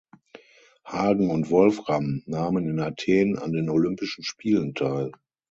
Hagen und Wolfram nahmen in Athen an den Olympischen Spielen teil.